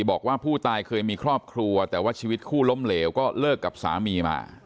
บอกว่าผู้ตายเคยมีครอบครัวแต่ว่าชีวิตคู่ล้มเหลวก็เลิกกับสามีมา